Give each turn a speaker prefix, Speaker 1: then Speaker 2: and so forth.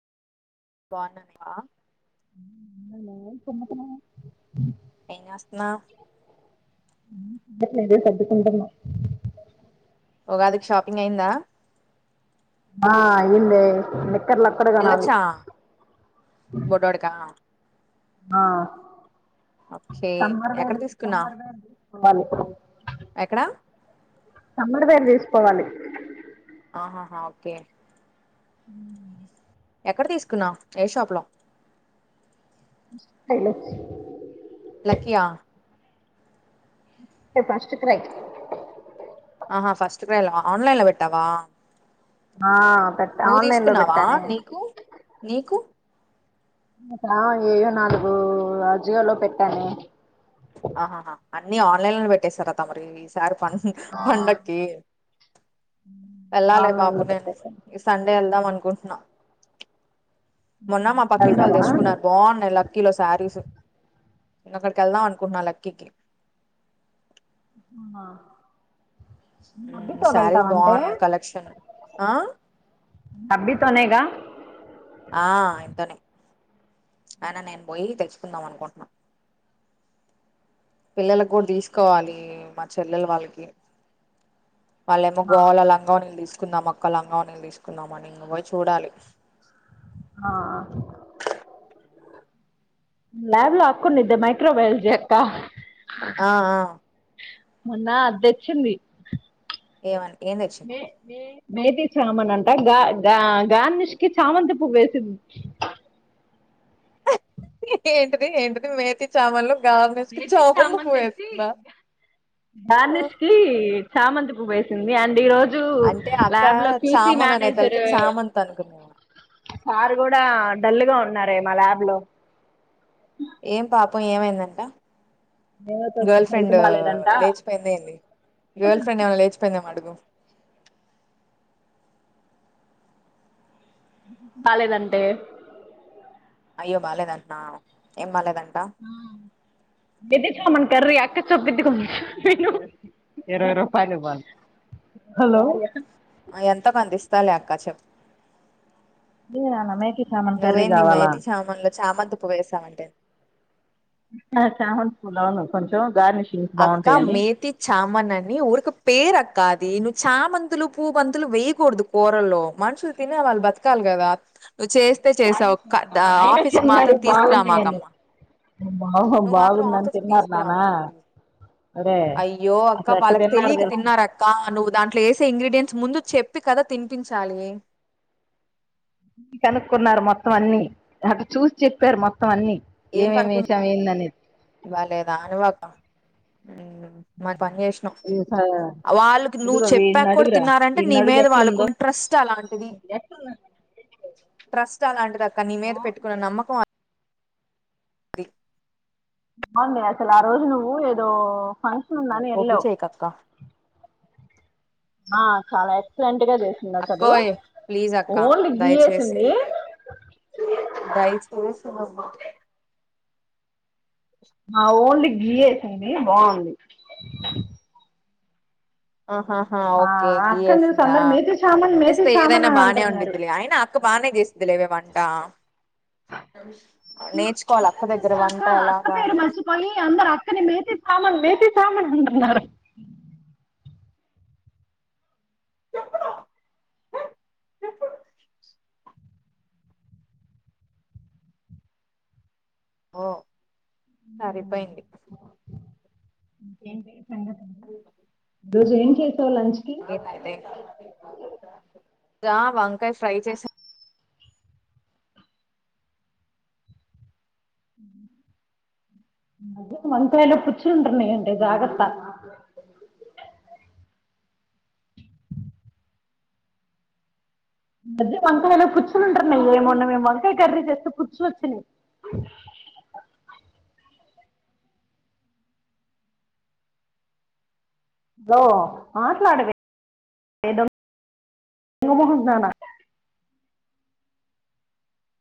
Speaker 1: బనవా
Speaker 2: కుతున్నా
Speaker 1: అయినా వస్తున్నా
Speaker 2: ఏద సదుకుంటం
Speaker 1: ఉగాదికి షాపింగ్ అయిందా
Speaker 2: ఆ అయిందే నిక్కర్లు ఒక్కటి కొనాలి
Speaker 1: వెళ్ళొచ్చా బొడ్డోడికా
Speaker 2: ఆ
Speaker 1: ఓకే ఎక్కడ
Speaker 2: సమర్వేరు
Speaker 1: తీసుకున్నావ్
Speaker 2: సమ్మర్వేరు తీసుకోవాలి
Speaker 1: ఎక్కడ
Speaker 2: సమ్మరువేర్ తీసుకోవాలి
Speaker 1: ఆహాహా ఓకే
Speaker 2: [inaudible]
Speaker 1: ఎక్కడ తీసుకున్నావ్ ఏ షాప్ ల
Speaker 2: హెలో
Speaker 1: లక్కియా
Speaker 2: ఎం ఫశ్ట్ క్రై
Speaker 1: ఆహా ఫస్ట్ క్రైల ఆన్లైన్ లో వెట్టావా
Speaker 2: ఆ పెట్టా ఆన్లైన్ లో పెట్టానే
Speaker 1: నీకు నీకు
Speaker 2: ఆ ఏయో నాలుగు అజియోలో పెట్టానే
Speaker 1: ఆహాహా అన్ని ఆన్లైన్ లోనె పెట్టేసారా తమర్ ఈసారి పన్ పండక్కి ఎళ్ళాలే
Speaker 2: ఆన్లైన్
Speaker 1: బాబు
Speaker 2: లో
Speaker 1: నేను
Speaker 2: పెట్టేసాను
Speaker 1: ఈ సండే ఎళ్దాం అనుకుట్నా మొన్నా మా పక్కింటోళ్ళు
Speaker 2: వెళ్తావా
Speaker 1: తెచ్చుకున్నారు బాగున్నాయి లక్కీలో శారీస్ [unintelligible] అక్కడికి ఎళ్దాం అనుకుంటున్నా లక్కీకి
Speaker 2: ఆ
Speaker 1: ఊ శారీస్ బాగున్నాయి కలెక్షన్
Speaker 2: అబ్బి తొనేగా
Speaker 1: ఆ ఇంతనే అయినా నేను పోయి తెచ్చుకుందాం అనుకుంటున్నా పిల్లల గూడ్ దీసుకోవాలి మా చెల్లెల వాళ్ళకి వాళ్ళేమో గోల లంగ వోనిల్ దీస్ కుందాం అక్క లాంగా వోనీల్ తీసుకుందాం అని ఇంగ వొయ్ చూడాలి
Speaker 2: ఆ ల్యాబ్ లో అక్కుండి మైక్రోబయాలజీ చేత్త
Speaker 1: ఆ ఆ
Speaker 2: మొన్నా అద్ దెచ్చింది
Speaker 1: ఏమని ఏం దెచ్చింది
Speaker 2: మేతీ చామన్ అంట గాగా గార్నిష్ కి చామంతిపువ్ ఏసింది
Speaker 1: ఏంటిది ఏంటిది మేతి చామలు ఆ,
Speaker 2: గార్నిష్ కి చామంతి పువ్ ఏసింది అండ్ ఈ రోజు
Speaker 1: అంటే
Speaker 2: జూ
Speaker 1: అక్క
Speaker 2: ల్యాబ్ లో క్యూసి
Speaker 1: చామన్ అనే తలకి
Speaker 2: నానేసరు
Speaker 1: చామంతి అనుకున్నా
Speaker 2: సారు గూడా డల్లు గ ఉన్నారే మా ల్యాబ్ లో
Speaker 1: ఏం పాపం ఏమైందంట
Speaker 2: దేవత
Speaker 1: గర్ల్
Speaker 2: హెల్త్
Speaker 1: ఫ్రెండ్
Speaker 2: బాలేదంట
Speaker 1: లేచిపోయింద ఏంది గర్ల్ ఫ్రెండ్ ఏమైనా లేచిపోయిందేమో అడుగు
Speaker 2: కాలేదంటే
Speaker 1: అయ్యో బాలేదంటనా ఏం బాలేదన్
Speaker 2: దిది ఏమన్ కర్రీ అక్క చెప్పిద్ది కొంచె విను హలో
Speaker 1: ఆ ఎంతో కంతిస్తాలే అక్క చెప్
Speaker 2: కీ ఆళ్ళ అన్నయ్య కి చామన్ కర్రీ గావాలా
Speaker 1: చామంతిపువ్వు వేసామంటే
Speaker 2: ఆ చామన్ పులావ్లో కొంచం గార్నిష్
Speaker 1: అక్కా మేతి చామన్ అని ఊరుక పేర కాది నువ్వు చామంతులు పూ బంతులు వేయకూడదు, కూరల్లో మనుషులు తినే వాళ్ బతకాల్ గదా. నువ్వు చేస్తే చేసావు
Speaker 2: గార్నిషింగ్
Speaker 1: క
Speaker 2: కి
Speaker 1: దా
Speaker 2: నాన్న
Speaker 1: ఆఫీస్ మాత్రం తీసుకురామాకమ్మ
Speaker 2: బాగు బాగుందని తిన్నారు నాన్న
Speaker 1: తీసుకురామా ప్లీజ్
Speaker 2: ఒరే
Speaker 1: అయ్యో అక్క
Speaker 2: అసలు ఎట్ట
Speaker 1: వాళ్ళకి తెలియక
Speaker 2: తెలుసా
Speaker 1: తిన్నారు అక్క నువ్వు దాంట్లో వేసే ఇంగ్రీడియంట్స్ ముందు చెప్పి కదా తినిపించాలి
Speaker 2: కనుక్కున్నారు మొత్తం అన్ని అట్ట చూసి చెప్పారు మొత్తం అన్నీ
Speaker 1: ఏం
Speaker 2: ఏమేమి
Speaker 1: కనుకున్నా
Speaker 2: వేసాం ఏందనే
Speaker 1: బాలేదా
Speaker 2: [inaudible]
Speaker 1: మన పని చేసినాం వాళ్ళకి నువ్వు
Speaker 2: ఇదిగో వీడిని
Speaker 1: చెప్పాక కూడా
Speaker 2: అడుగురా
Speaker 1: తిన్నారంటే నీ
Speaker 2: వీడిని అడుగు
Speaker 1: మీద
Speaker 2: ఎట్లుందో
Speaker 1: వాళ్ళకుంట్రస్ట్ అలాంటిది
Speaker 2: ఎట్లుంది
Speaker 1: ట్రస్ట్ అలాంటిది అక్క నీ మీద పెట్టుకున్న
Speaker 2: బాగుంది
Speaker 1: నమ్మకం ది
Speaker 2: అవునులే అసలు ఆ రోజు నువ్వు ఏదో ఫంక్షన్ ఉందఅని
Speaker 1: ఒగ్గు
Speaker 2: వెళ్ళవు
Speaker 1: చేయకు అక్క
Speaker 2: ఆ చాలా ఎక్స్లె చేసింది అసలు
Speaker 1: అక్కోయ్ ప్లీజ్ అక్క
Speaker 2: ఓన్లీ గీ
Speaker 1: దయచేసి
Speaker 2: వేసింది
Speaker 1: దయచేసి నువ్వు
Speaker 2: ఆ ఓన్లీ గీ వేసింది బాగుంది
Speaker 1: ఆహహా
Speaker 2: ఆ
Speaker 1: ఓకే గీ
Speaker 2: అక్కని చూసి
Speaker 1: వేసిందా
Speaker 2: అందరు మేతి చామన్ మేతి
Speaker 1: వేస్తే
Speaker 2: చామన్
Speaker 1: ఏదైనా
Speaker 2: అని
Speaker 1: బాగానే
Speaker 2: అంటున్నారు
Speaker 1: ఉండిద్లే అయినా అక్క బాగానే చేస్ దిలేవే వంట
Speaker 2: [inaudible]
Speaker 1: నేర్చుకోవాలి అక్క దగ్గర
Speaker 2: అక్క
Speaker 1: వంట
Speaker 2: అక్క
Speaker 1: ఎలాగా
Speaker 2: పేరు
Speaker 1: అని
Speaker 2: మర్చిపోయి అందరు అక్కనే మేతి మేతి సామాన్ అంటున్నారు
Speaker 1: ఓ సరిపోయిది
Speaker 2: ఇంకేంటి రోజు ఏం చేసావు లంచ్ కి
Speaker 1: రా వంకాయ ఫ్రై చేసా
Speaker 2: ఆ ఈమధ్య వంకాయలకు పుచ్చులు ఉంటున్నాయండీ జాగ్రత్త [inaudible] మధ్య వంకాయల పుచ్చులు ఉంటున్నాయి మొన్న మేము వంకాయ కర్రీ చేస్తే పుచ్చు వచ్చినయి [inaudible] హలో మాట్లాడవే ఏదో మొహం దాన